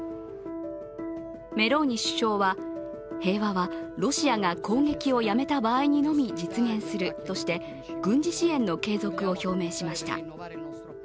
メローニ首相は、平和はロシアが攻撃をやめた場合にのみ実現するとして軍事支援の継続を表明しました。